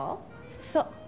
そう。